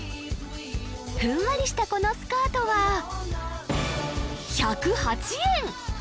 ふんわりしたこのスカートは１０８円！